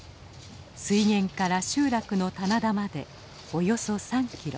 水源から集落の棚田までおよそ３キロ。